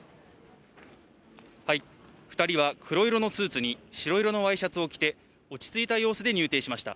２人は黒色のスーツに白色のワイシャツを着て、落ち着いた様子で入廷しました。